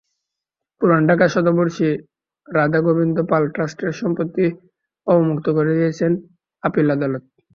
পুরান ঢাকার শতবর্ষী রাধাগোবিন্দ পাল ট্রাস্টের সম্পত্তি অবমুক্ত করে দিয়েছেন আপিল আদালত।